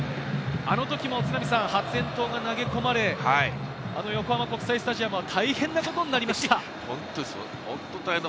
あのときも発炎筒が投げ込まれて、横浜国際スタジアムは大変なことになりました。